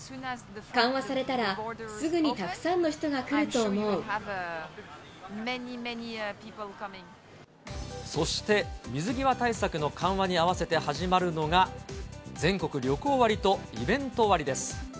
緩和されたら、すぐにたくさんのそして、水際対策の緩和に合わせて始まるのが、全国旅行割とイベント割です。